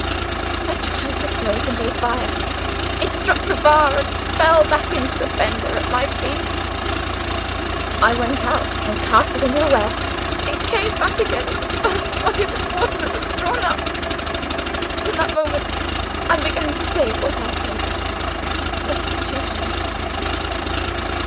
I tried to throw it into the fire. It struck the bar, and fell back into the fender at my feet. I went out, and cast it into the well. It came back again in the first bucket of water that was drawn up. From that moment, I began to save what I could. Restitution!